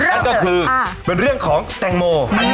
นั่นก็คือเป็นเรื่องของแตงโม